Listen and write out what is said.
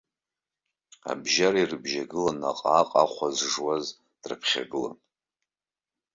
Абжьара ибжьагылан наҟ-ааҟ ахәа зжуаз драԥхьагылан.